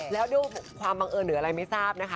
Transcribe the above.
แล้วด้วยความบังเอิญหรืออะไรไม่ทราบนะคะ